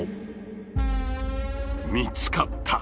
見つかった！